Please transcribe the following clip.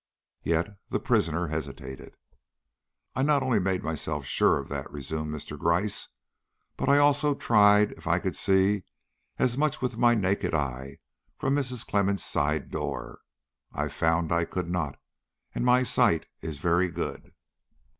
Yet the prisoner hesitated. "I not only made myself sure of that," resumed Mr. Gryce, "but I also tried if I could see as much with my naked eye from Mrs. Clemmens' side door. I found I could not, and my sight is very good."